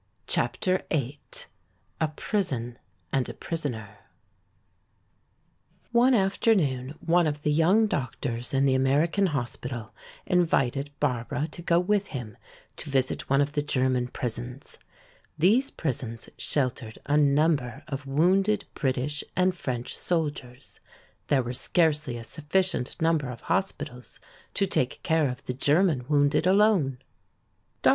CHAPTER VIII A Prison and a Prisoner One afternoon one of the young doctors in the American hospital invited Barbara to go with him to visit one of the German prisons. These prisons sheltered a number of wounded British and French soldiers. There were scarcely a sufficient number of hospitals to take care of the German wounded alone. Dr.